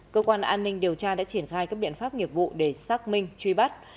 cơ quan an ninh điều tra đã triển khai các biện pháp nghiệp vụ để xác minh truy bắt